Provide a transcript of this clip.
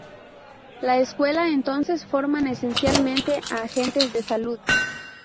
La escuela entonces forman esencialmente a agentes de salud.